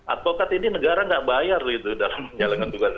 advokat ini negara nggak bayar gitu dalam menjalankan tugas